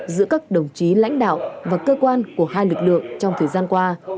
giữa các đồng chí lãnh đạo và cơ quan của hai lực lượng trong thời gian qua